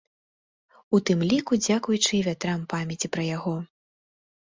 У тым ліку дзякуючы і вятрам памяці пра яго.